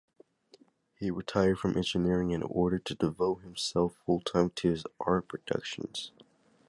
He retired from engineering in order to devote himself full-time to his art productions.